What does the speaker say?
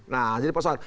nah jadi pasal